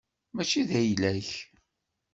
Mačči d ayla-k.